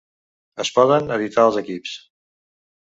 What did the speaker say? Es poden editar els equips.